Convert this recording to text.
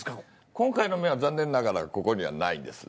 今回の面は残念ながらここにはないです。